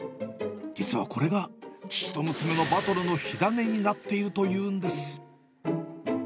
実はこれが、父と娘のバトルの火種になっているというのです。